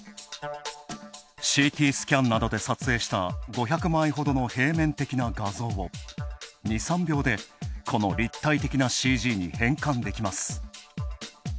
ＣＴスキャンなどで撮影した５００枚ほどの平面的な画像を２３秒で、この立体的なＣＧに変換できます。